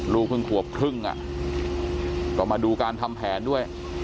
ลูกเพิ่งขวบครึ่งอ่ะต่อมาดูการทำแผนด้วย